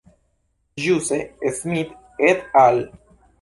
Ĵuse Smith et al.